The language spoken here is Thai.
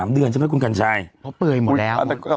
๓เดือนใช่มั้ยคุณกัญชัยเพราะเปลยหมดแล้ว